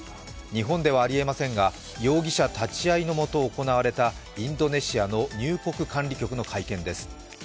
日本ではあり得ませんが、容疑者立ち合いのもと行われたインドネシアの入国管理局の会見です。